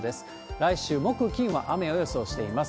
来週木、金は雨を予想しています。